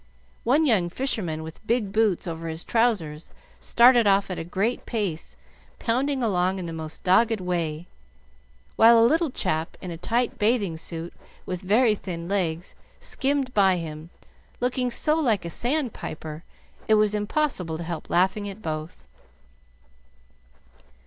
One young fisherman with big boots over his trousers started off at a great pace, pounding along in the most dogged way, while a little chap in a tight bathing suit with very thin legs skimmed by him, looking so like a sand piper it was impossible to help laughing at both.